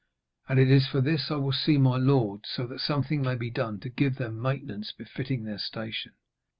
And it is for this I will see my lord, so that something may be done to give them maintenance befitting their station.'